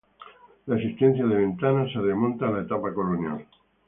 La existencia de Ventanas se remonta a la etapa colonial.